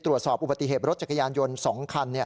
ตรวจสอบอุบัติเหตุรถจักรยานยนต์๒คัน